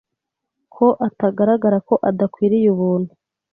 Ko atagaragara ko adakwiriye ubuntu